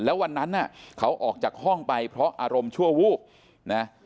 แล้ววันนั้นน่ะเขาออกจากห้องไปเพราะอารมณ์ชั่ววูบนะ